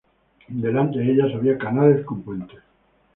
Delante de ellas había canales con puentes.